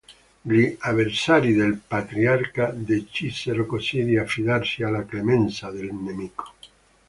Gli avversari del patriarca decisero così di affidarsi alla clemenza del nemico.